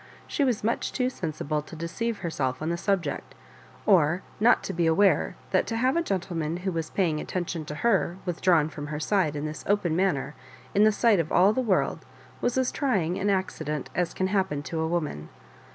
She was much too sensible to deceive herself on the subject, or not to be aware that to have a gentleman who was paying attention to her withdrawn from her side in this open manner in the sight of all the world, was as trying an accident as can happen to a woman.